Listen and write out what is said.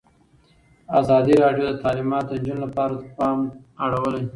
ازادي راډیو د تعلیمات د نجونو لپاره ته پام اړولی.